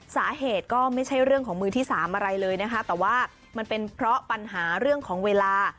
สาเหตุก็ไม่ใช่เรื่องของมือที่สามอะไรเลยนะคะแต่ว่ามันเป็นเพราะปัญหาเรื่องของเวลา